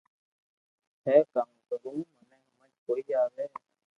ھي ڪاوُ ڪرو مني ھمج ۾ ڪوئي آوي